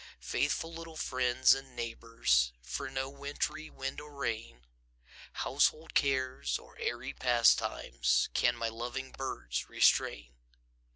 Faithful little friends and neighbors, For no wintry wind or rain, Household cares or airy pastimes, Can my loving birds restrain.